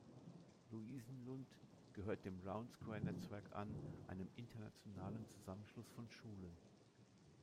Louisenlund gehört dem Round Square Netzwerk an, einem internationalen Zusammenschluss von Schulen.